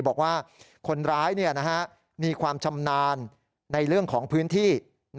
บอกว่าคนร้ายมีความชำนาญในเรื่องของพื้นที่